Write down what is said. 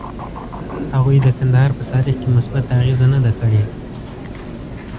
هغوی د کندهار په تاریخ کې مثبته اغیزه نه ده کړې.